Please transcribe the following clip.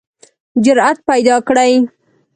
جرئت پیداکړئ